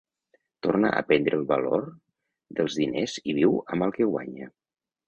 Torna a aprendre el valor dels diners i viu amb el que guanya.